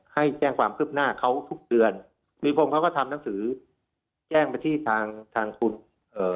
ให้แจ้งความคืบหน้าเขาทุกเดือนนิคมเขาก็ทำหนังสือแจ้งไปที่ทางทางคุณเอ่อ